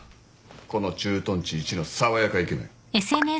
この駐屯地いちの爽やかイケメン。